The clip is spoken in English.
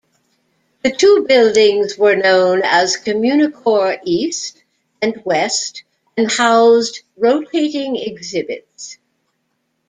The two buildings were known as CommuniCore East and West and housed rotating exhibits.